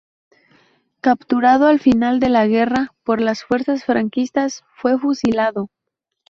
Capturado al final de la guerra por las fuerzas franquistas, fue fusilado.